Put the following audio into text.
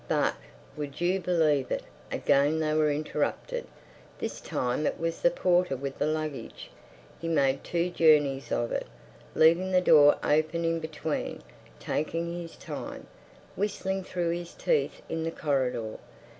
But—would you believe it!—again they were interrupted. This time it was the porter with the luggage. He made two journeys of it, leaving the door open in between, taking his time, whistling through his teeth in the corridor.